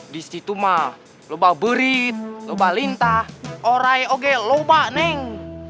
di situ mah loba berit loba lintah orai oke loba neng